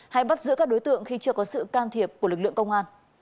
hay bắt giữ các đối tượng khi chưa có sự can thiệp của lực lượng công an